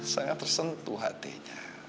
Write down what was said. sangat tersentuh hatinya